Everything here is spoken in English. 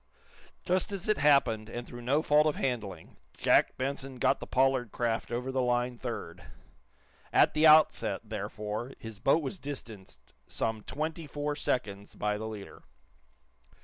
Just as it happened, and through no fault of handling, Jack Benson got the Pollard craft over the line third. At the outset, therefore, his boat was distanced some twenty four seconds by the leader.